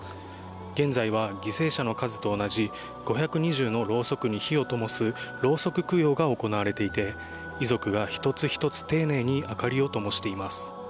現在は、犠牲者の数と同じ５２０のろうそくに灯をともすろうそく供養が行われていて、遺族が一つ一つ丁寧に明かりを灯しています。